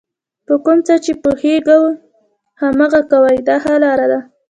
په کوم څه چې پوهېږئ هماغه کوئ دا ښه لار ده.